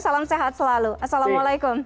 salam sehat selalu assalamualaikum